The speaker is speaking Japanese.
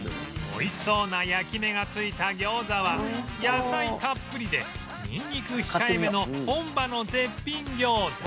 美味しそうな焼き目がついた餃子は野菜たっぷりでニンニク控えめの本場の絶品餃子